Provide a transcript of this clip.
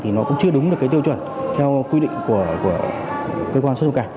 thì nó cũng chưa đúng được cái tiêu chuẩn theo quy định của cơ quan xuất nhập cảnh